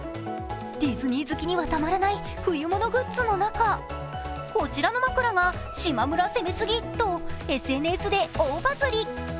ディズニー好きにはたまらない冬物グッズの中、こちらの枕が、しまむら攻めすぎとＳＮＳで大バズり。